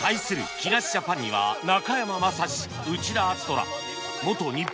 木梨ジャパンには中山雅史内田篤人ら元日本代表